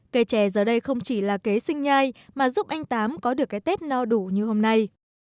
cây chè giờ đây không chỉ là kế sinh nhai mà giúp anh tám có được cái tết no đủ như hôm nay